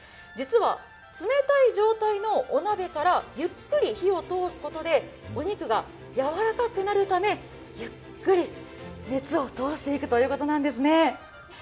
実は冷たい状態のお鍋からゆっくり火を通すことでお肉がやわらかくなるためゆっくり熱を通していくということなんですね。